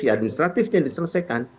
ya administratifnya diselesaikan